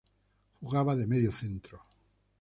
Jugaba de medio centro.